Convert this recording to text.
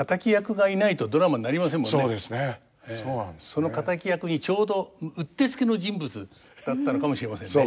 その敵役にちょうどうってつけの人物だったのかもしれませんね。